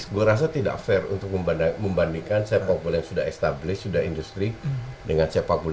gua rasa tidak fair untuk membandingkan sepakbule yang sudah established sudah industri dengan sepakbule